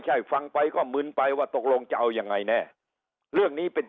ใช่ฟังไปก็มึนไปว่าตกลงจะเอายังไงแน่เรื่องนี้เป็น